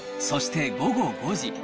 そして午後５時。